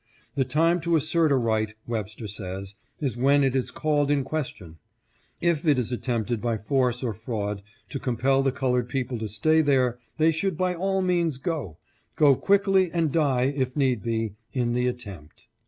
The time to assert a right, Webster says, is when it is called in ques tion. If it is attempted by force or fraud to compel the colored people to stay there, they should by all means go — go quickly and die, if need be, in the attempt."